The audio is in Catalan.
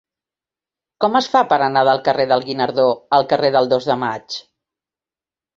Com es fa per anar del carrer del Guinardó al carrer del Dos de Maig?